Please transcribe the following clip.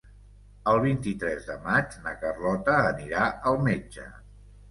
El vint-i-tres de maig na Carlota anirà al metge.